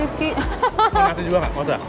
gak usah satu dulu aja